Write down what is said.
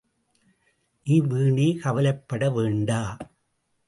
நீ வீணே கவலைப்பட வேண்டா.